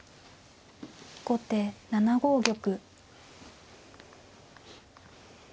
後手７五玉。